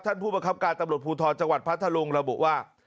ผู้ประคับการตำรวจภูทรจังหวัดพัทธรุงระบุว่า